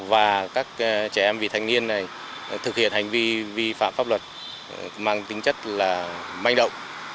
và các trẻ em vị thành viên thực hiện hành vi vi phạm pháp luật mang tính chất là manh động